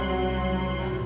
kalau saya tahu